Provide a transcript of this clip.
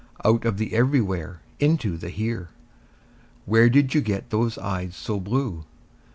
Out of the everywhere into here. Where did you get those eyes so blue?